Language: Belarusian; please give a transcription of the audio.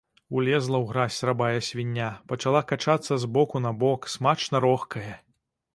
Улезла ў гразь рабая свіння, пачала качацца з боку на бок, смачна рохкае.